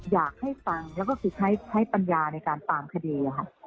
อยากให้ฟังแล้วก็คือใช้ปัญญาในการตามคดีค่ะ